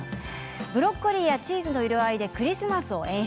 ブロッコリーやチーズの色合いでクリスマスを演出。